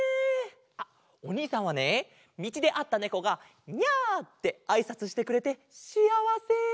あっおにいさんはねみちであったネコが「ニャ」ってあいさつしてくれてシアワセ！